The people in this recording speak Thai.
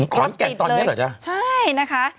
ขอนแก่นตอนนี้เหรอจ๊ะรถติดเลยใช่นะคะ